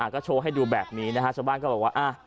ก็โชว์ให้ดูแบบนี้นะฮะชาวบ้านก็บอกว่า